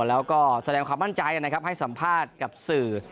แล้วก็แสดงความมั่นใจนะครับให้สัมภาษณ์กับสื่อ